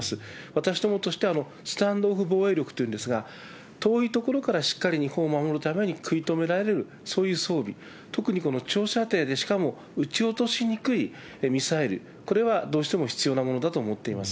私どもとしては、スタンドオフ防衛力というんですが、遠い所からしっかり日本を守るために食い止められる、そういう装備、特に長射程で、しかも撃ち落としにくいミサイル、これはどうしても必要なものだと思っています。